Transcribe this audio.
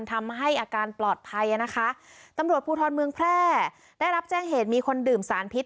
ทำให้อาการปลอดภัยนะคะตำรวจภูทรเมืองแพร่ได้รับแจ้งเหตุมีคนดื่มสารพิษ